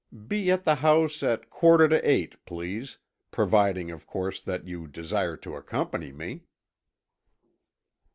Be at the house at quarter to eight, please, providing, of course, that you desire to accompany me."